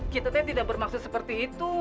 kita kan tidak bermaksud seperti itu